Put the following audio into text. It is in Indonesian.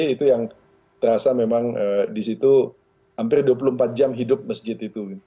itu yang terasa memang di situ hampir dua puluh empat jam hidup masjid itu